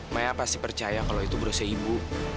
maya pasti percaya kalau itu berusaha ibu